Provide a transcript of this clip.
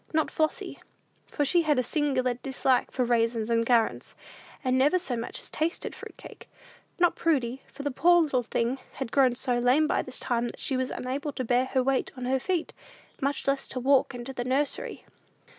Not Flossy, for she had a singular dislike for raisins and currants, and never so much as tasted fruit cake. Not Prudy, for the poor little thing had grown so lame by this time, that she was unable to bear her weight on her feet, much less to walk into the nursery.